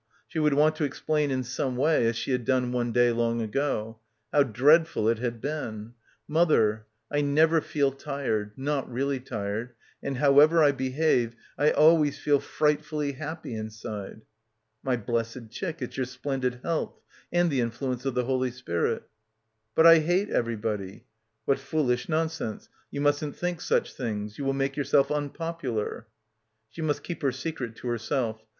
She would want to explain in some way, as she had done one day long ago ; how dreadful it had been ... mother, I never feel tired, not really tired, and however I behave I always feel frightfully happy inside ... my blessed chick, it's your splendid health — and the influence of the Holy Spirit. ... But I hate everybody. ... What foolish nonsense. You mustn't think such things. You will make yourself unpopular. ... She must keep her secret to herself.